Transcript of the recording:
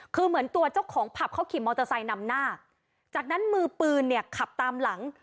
คือเหมือนตัวเจ้าของผับเขาขี่มอเตอร์ไซค์นำหน้าจากนั้นมือปืนเนี่ยขับตามหลัง